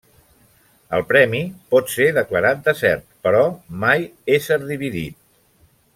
El premi pot ser declarat desert però mai ésser dividit.